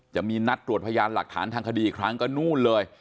จะมีนัดตรวจพยานหลักฐานทางคดีอีกครั้งก็นู่นเลย